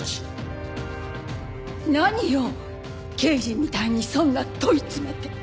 何よ刑事みたいにそんな問い詰めて。